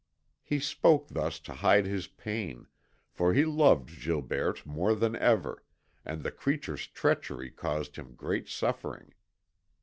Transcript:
He spoke thus to hide his pain, for he loved Gilberte more than ever, and the creature's treachery caused him great suffering.